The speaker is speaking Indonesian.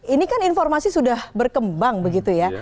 ini kan informasi sudah berkembang begitu ya